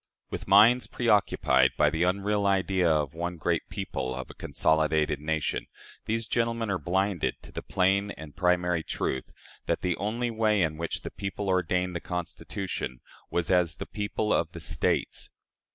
With minds preoccupied by the unreal idea of one great people of a consolidated nation, these gentlemen are blinded to the plain and primary truth that the only way in which the people ordained the Constitution was as the people of States.